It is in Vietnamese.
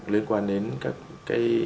liên quan đến các